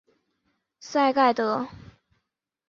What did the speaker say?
赛盖德。